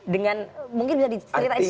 dengan mungkin bisa diceritain sedikit ya